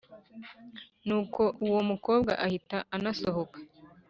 nuko uwo mukobwa ahita anasohoka